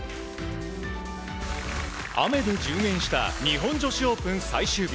雨で順延した日本女子オープン最終日。